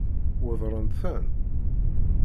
Weddṛent-ten?